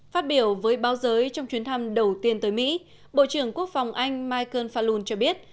phát biểu với báo giới trong chuyến thăm đầu tiên tới mỹ bộ trưởng quốc phòng anh michael falon cho biết